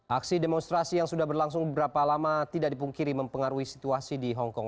aksi demonstrasi yang sudah berlangsung beberapa lama tidak dipungkiri mempengaruhi situasi di hongkong